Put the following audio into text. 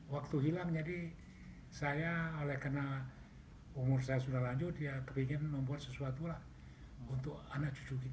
waktu hilang jadi saya oleh karena umur saya sudah lanjut ya kepingin membuat sesuatu lah untuk anak cucu kita